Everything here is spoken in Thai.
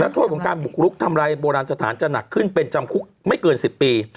โทษของการบุกลุกทำลายโบราณสถานจะหนักขึ้นเป็นจำคุกไม่เกิน๑๐ปี